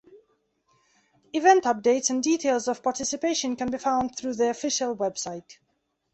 Event updates and details of participation can be found through the official website.